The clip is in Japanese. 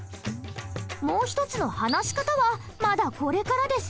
もう一つの話し方はまだこれからです。